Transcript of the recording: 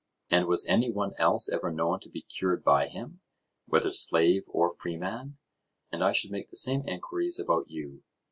and was any one else ever known to be cured by him, whether slave or freeman? And I should make the same enquiries about you.